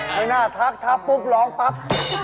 ไม่น่าทักทักปุ๊บร้องปั๊บ